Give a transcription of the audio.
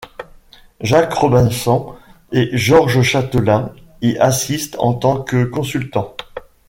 Jack Robinson et Georges Chatelain y assistent en tant que consultants.